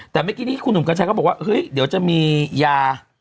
แต่เมื่อกี้นี้คุณหนุ่มกัญชัยก็บอกว่าเฮ้ยเดี๋ยวจะมียา